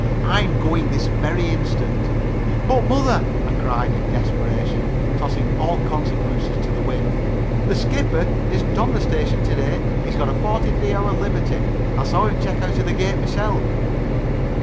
I am going this very instant." "But, Mother," I cried in desperation, tossing all consequences to the wind, "the 'skipper' isn't on the station to day. He got a 43 hour liberty. I saw him check out of the gate myself."